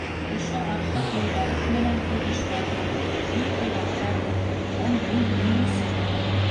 Ошо аҡһаҡ юлбарыҫ менән һуғыш барҙы, бик оҙаҡ барҙы һәм мин еңеүсе булдым.